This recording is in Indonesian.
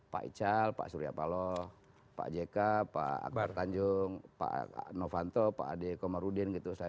pak ical pak surya paloh pak jk pak akbar tanjung pak novanto pak ade komarudin gitu